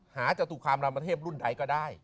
จตุคามรามเทพรุ่นใดก็ได้